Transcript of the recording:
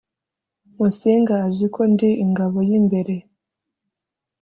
musinga azi ko ndi ingabo y'imbere